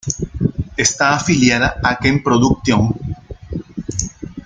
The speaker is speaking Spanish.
Está afiliada a Ken Production.